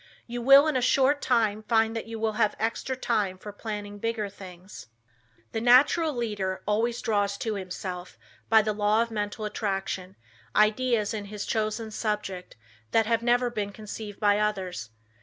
You will in a short time find that you will have extra time for planning bigger things. The natural leader always draws to himself, by the law of mental attraction, ideas in his chosen subject that have ever been conceived by others.